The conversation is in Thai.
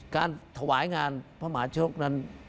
การถวายงานพระมหาชกนั้น